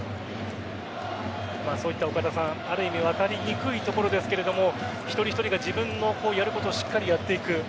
そういった、ある意味分かりにくいところですが一人一人が自分のやることをしっかりやっていく。